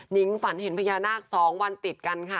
หญิงฝันเห็นพญานาค๒วันติดกันค่ะ